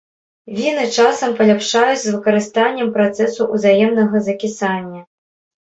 Віны часам паляпшаюць з выкарыстаннем працэсу узаемнага закісання.